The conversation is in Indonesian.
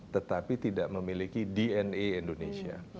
tetapi tidak memiliki dna indonesia